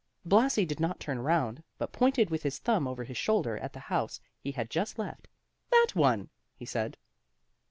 Blasi did not turn round, but pointed with his thumb over his shoulder at the house he had just left. "That one," he said.